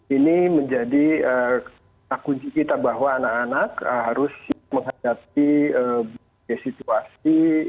ini menjadi tak kunci kita bahwa anak anak harus menghadapi situasi